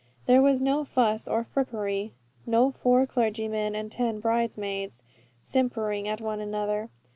There was no fuss or frippery; no four clergymen and ten bridesmaids simpering at one another.